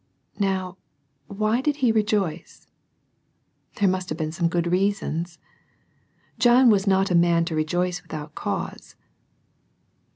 Now why did he rejoice? There must have been some good reasons. John was not a man to rejoice without cause.